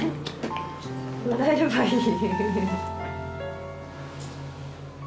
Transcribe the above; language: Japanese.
笑えればいい。